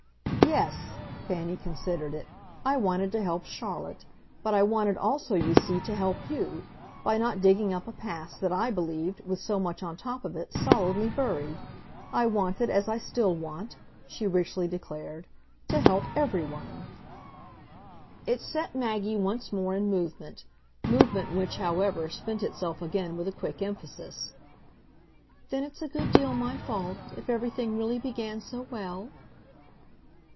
"Yes" Fanny considered it "I wanted to help Charlotte. But I wanted also, you see, to help you by not digging up a past that I believed, with so much on top of it, solidly buried. I wanted, as I still want," she richly declared, "to help every one." It set Maggie once more in movement movement which, however, spent itself again with a quick emphasis. "Then it's a good deal my fault if everything really began so well?"